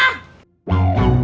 hah hah hah